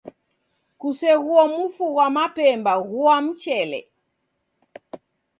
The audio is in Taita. Kuseghuo mufu ghwa mapemba, ghua mchele.